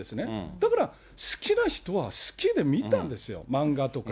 だから好きな人は好きで見たんですよ、漫画とか。